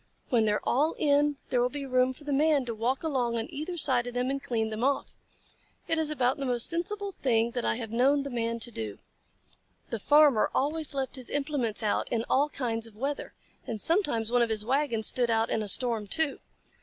When they are all in, there will be room for the Man to walk along on either side of them and clean them off. It is about the most sensible thing that I have known the Man to do." The Farmer always left his implements out in all kinds of weather, and sometimes one of his wagons stood out in a storm too.